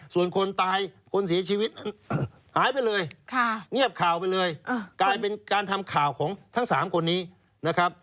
ส่วนคนตายคนเสียชีวิตหายไปเลยเงียบข่าวไปเลยกลายเป็นการทำข่าวของทั้ง๓คนนี้นะครับ